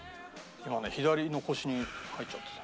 今ね左の腰に入っちゃってた。